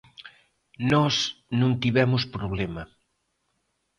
Nós non tivemos problema.